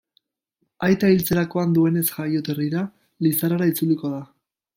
Aita hiltzerakoan duenez jaioterrira, Lizarrara itzuliko da.